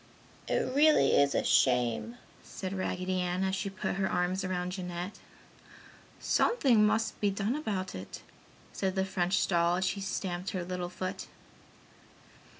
"It really is a shame!" said Raggedy Ann as she put her arms about Jeanette. "Something must be done about it!" said the French doll as she stamped her little foot.